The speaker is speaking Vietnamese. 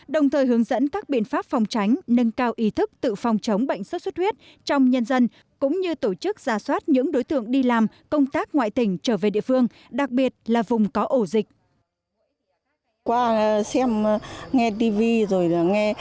đồng thời hướng dẫn các biện pháp phòng tránh nâng cao ý thức tự phòng chống bệnh xuất xuất huyết trong nhân dân cũng như tổ chức ra soát những đối tượng đi làm công tác ngoại tỉnh trở về địa phương đặc biệt là vùng có ổ dịch